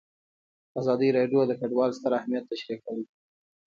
ازادي راډیو د کډوال ستر اهميت تشریح کړی.